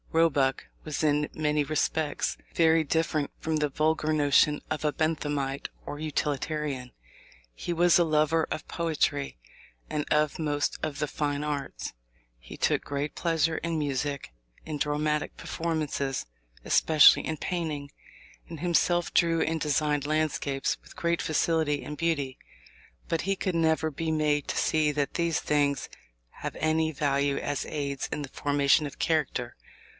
Roebuck was in many respects very different from the vulgar notion of a Benthamite or Utilitarian. He was a lover of poetry and of most of the fine arts. He took great pleasure in music, in dramatic performances, especially in painting, and himself drew and designed landscapes with great facility and beauty. But he never could be made to see that these things have any value as aids in the formation of character.